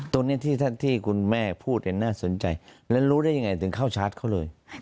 ตรงนี้ที่คุณแม่พูดน่าสนใจและรู้ได้ยังไงถึงเข้าชาร์จเขาเลย